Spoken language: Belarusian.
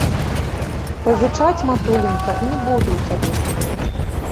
Пазычаць, матуленька, не буду ў цябе.